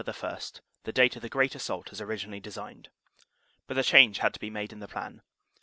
1, the date of the great assault as originally designed. But a change had to be made in the plan.